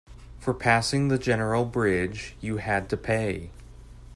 For passing the general bridge, you had to pay.